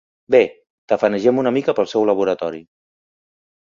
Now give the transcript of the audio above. Bé, tafanegem una mica pel seu laboratori.